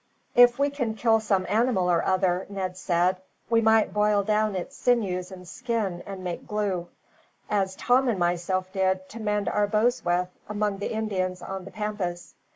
"If we can kill some animal or other," Ned said, "we might boil down its sinews and skin and make glue; as Tom and myself did, to mend our bows with, among the Indians on the pampas.